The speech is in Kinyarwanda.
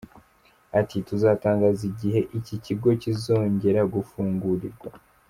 Ati “Tuzatangaza igihe iki kigo kizongera gufungurirwa.